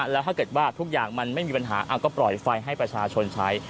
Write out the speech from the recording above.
แล้วถ้าเกิดว่าทุกอย่างมันไม่มีปัญหาก็ปล่อยไฟให้ประชาชนใช้